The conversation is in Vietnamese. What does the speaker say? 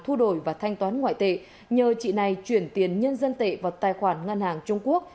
thu đổi và thanh toán ngoại tệ nhờ chị này chuyển tiền nhân dân tệ vào tài khoản ngân hàng trung quốc